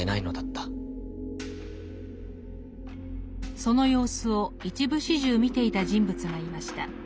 その様子を一部始終見ていた人物がいました。